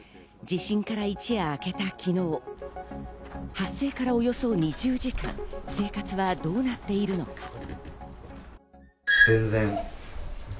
地震から一夜明けた昨日、発生からおよそ２０時間、生活はどうなっているのか。